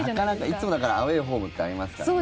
いつも、だからアウェー、ホームってありますからね。